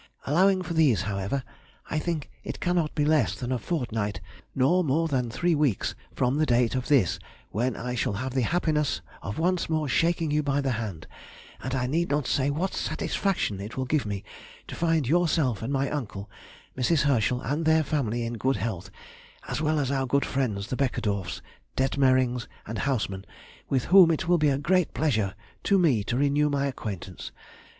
Allowing for these, however, I think it cannot be less than a fortnight, nor more than three weeks from the date of this when I shall have the happiness of once more shaking you by the hand, and I need not say what satisfaction it will give me to find yourself and my uncle, Mrs. Herschel and their family in good health, as well as our good friends the Beckedorffs, Detmerings and Haussmann, with whom it will be a great pleasure to me to renew my acquaintance.